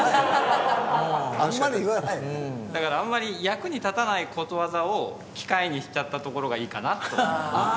だからあんまり役に立たないことわざを機械にしちゃったところがいいかなと思います。